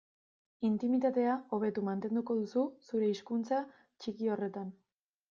Intimitatea hobeto mantenduko duzu zure hizkuntza txiki horretan.